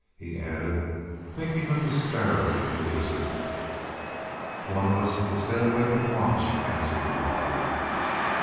he added, thinking of the sparrow and the lizard. "One of us will stay awake and watch," answered the Doctor.